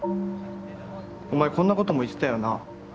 お前こんなことも言ってたよな。